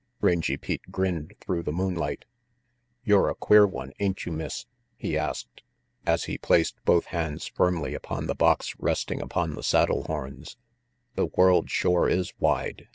Rangy Pete grinned through the moonlight. RANGY PETE' 243 "You're a queer one, ain't you, Miss?" he asked, as he placed both hands firmly upon the box resting upon the saddle horns. "The world shore is wide.